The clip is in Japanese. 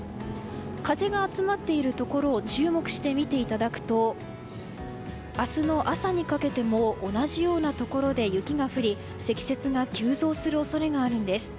風が集まっているところを注目して見ていただくと明日の朝にかけても同じようなところで雪が降り積雪が急増する恐れがあるんです。